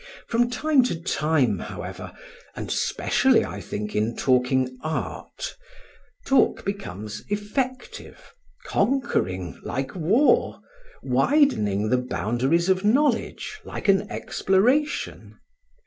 From time to time, however, and specially, I think, in talking art, talk becomes effective, conquering like war, widening the boundaries of knowledge like an exploration.